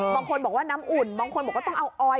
บางคนบอกว่าน้ำอุ่นบางคนบอกว่าต้องเอาออย